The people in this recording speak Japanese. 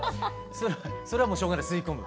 それはもうしょうがない吸い込む？